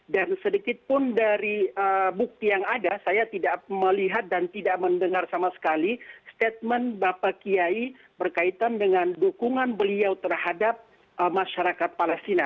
dan sedikitpun dari bukti yang ada saya tidak melihat dan tidak mendengar sama sekali statement bapak kiai berkaitan dengan dukungan beliau terhadap masyarakat palestina